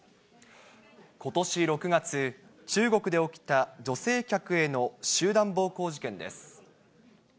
ことし６月、中国で起きた女性客への集団暴行事件です。